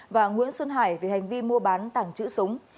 và nguyễn xuân hải về hành vi mua bán tàng trữ súng